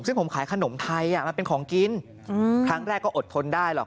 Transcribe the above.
ซึ่งผมขายขนมไทยมันเป็นของกินครั้งแรกก็อดทนได้หรอก